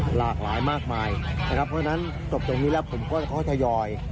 หลากหลายมากมายนะครับเพราะฉะนั้นจบตรงนี้แล้วผมก็ค่อยทยอย